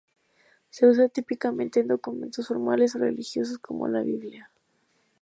Se usa típicamente en documentos formales o religiosos, como la Biblia.